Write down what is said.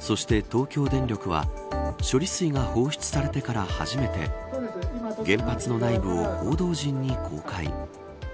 そして東京電力は処理水が放出されてから初めて原発の内部を報道陣に公開。